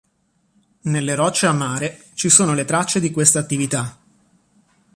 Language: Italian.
Nelle rocce a mare ci sono le tracce di questa attività.